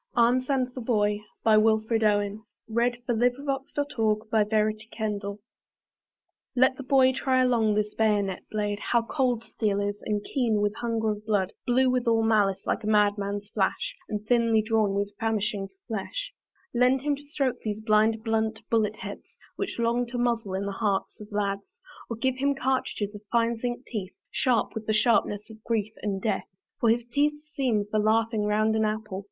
ew his son And half the seed of Europe, one by one. Wilfred Owen Arms and the Boy LET the boy try along this bayonet blade How cold steel is, and keen with hunger of blood; Blue with all malice, like a madman's flash; And thinly drawn with famishing for flesh. Lend him to stroke these blind, blunt bullet heads Which long to muzzle in the hearts of lads. Or give him cartridges of fine zinc teeth, Sharp with the sharpness of grief and death. For his teeth seem for laughing round an apple.